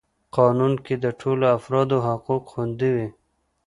قانون کي د ټولو افرادو حقوق خوندي وي.